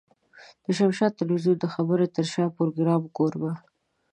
د شمشاد ټلوېزيون د خبر تر شا پروګرام کوربه.